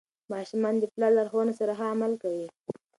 ماشومان د پلار لارښوونو سره ښه عمل کوي.